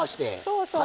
そうそう。